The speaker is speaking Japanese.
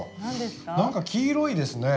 なんか黄色いですね。